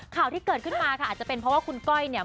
ข่าวที่เกิดขึ้นมาค่ะอาจจะเป็นเพราะว่าคุณก้อยเนี่ย